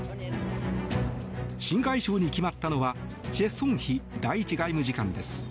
新外相に決まったのはチェ・ソンヒ第１外務次官です。